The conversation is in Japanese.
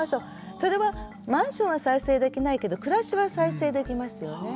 それはマンションは再生できないけど暮らしは再生できますよね。